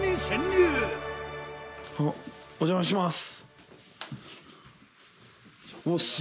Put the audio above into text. お邪魔します。